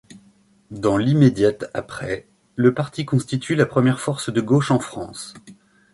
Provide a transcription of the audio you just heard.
Dans l’immédiat après-, le parti constitue la première force de gauche en France.